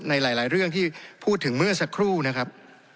ในหลายเรื่องที่พูดถึงเมื่อสักครู่นะครับ